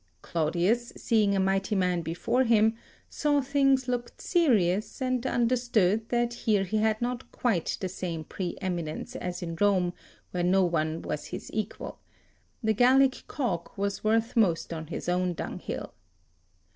Claudius, seeing a mighty man before him, saw things looked serious and understood that here he had not quite the same pre eminence as at Rome, where no one was his equal: the Gallic cock was worth most on his own dunghill.